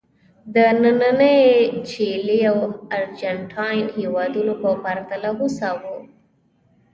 د نننۍ چیلي او ارجنټاین هېوادونو په پرتله هوسا وو.